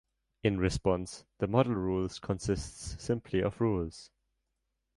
In response, the Model Rules consists simply of Rules.